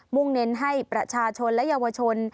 ่งเน้นให้ประชาชนและเยาวชน